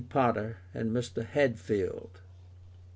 Potter, and Mr. Hadfield.